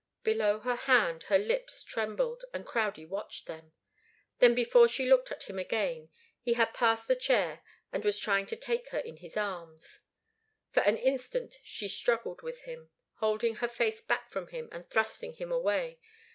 Below her hand her lips trembled, and Crowdie watched them. Then before she looked at him again, he had passed the chair and was trying to take her in his arms. For an instant she struggled with him, holding her face back from him and thrusting him away.